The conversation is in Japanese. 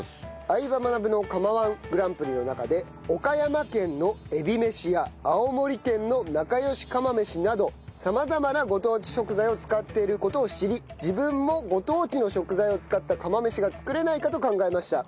『相葉マナブ』の釜−１グランプリの中で岡山県のえびめしや青森県のなかよし釜飯など様々なご当地食材を使っている事を知り自分もご当地の食材を使った釜飯が作れないかと考えました。